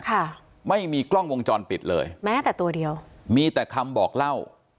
ค่ะไม่มีกล้องวงจรปิดเลยแม้แต่ตัวเดียวมีแต่คำบอกเล่า